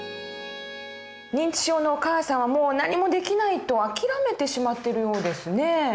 認知症のお母さんをもう何もできないと諦めてしまってるようですね。